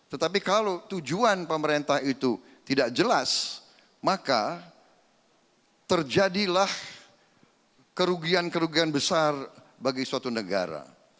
tetapi kalau tujuan pemerintah itu tidak jelas maka terjadilah kerugian kerugian besar bagi suatu negara